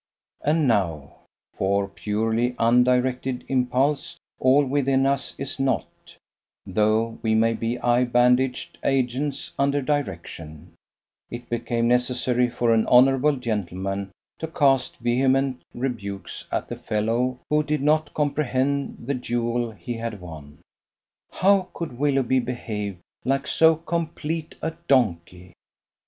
And now (for purely undirected impulse all within us is not, though we may be eye bandaged agents under direction) it became necessary for an honourable gentleman to cast vehement rebukes at the fellow who did not comprehend the jewel he had won. How could Willoughby behave like so complete a donkey!